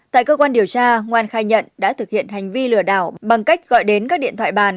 tại cơ quan điều tra ngoan khai nhận đã thực hiện hành vi lừa đảo bằng cách gọi đến các điện thoại bàn